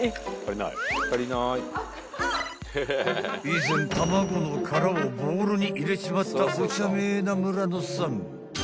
［以前卵の殻をボウルに入れちまったおちゃめな村野さん］